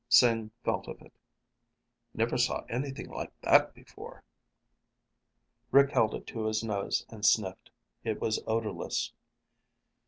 Sing felt of it. "Never saw anything like that before." Rick held it to his nose and sniffed. It was odorless.